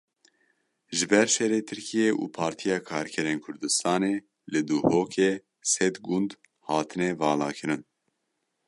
Ji ber şerê Tirkiye û Partiya Karkerên Kurdistanê li Duhokê sed gund hatine valakirin.